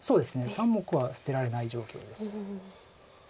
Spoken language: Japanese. ３目は捨てられない状況です。